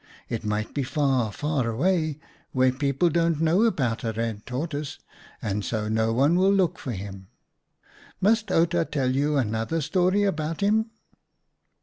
It might be far, far away where people don't know about a red tortoise, and so no one will look for him. Must Outa tell another story about him